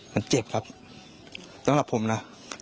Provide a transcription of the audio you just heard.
มันเจ็บครับสำหรับผมนะ